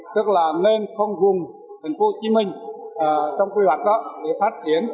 tức là nên không gùng tp hcm trong quy hoạch đó để phát triển